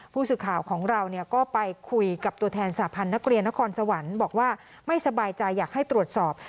ผู้สื่อข่าวของเราก็ไปคุยกับตัวแทนสาพันธ์นักเรียนนครสวรรค์บอกว่าไม่สบายใจอยากให้ตรวจสอบ